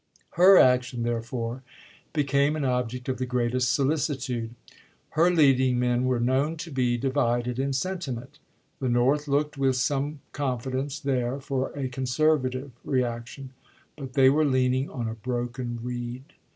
Her action, therefore, became an object of the greatest solicitude. Her leading men were known to be divided in sentiment. The North looked with some confidence there for a conservative reaction ; but they were leaning on a broken reed.